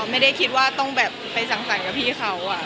ไม่ได้คิดว่าต้องแบบไปสั่งสรรค์กับพี่เขา